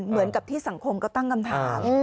เหมือนกับที่สังคมก็ตั้งคำถาม